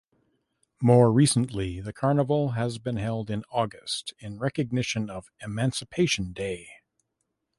More recently the carnival has been held in August in recognition of Emancipation Day.